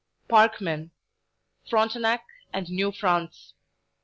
PARKMAN: "Frontenac and New France."